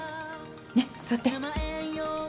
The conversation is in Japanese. ねっ座って。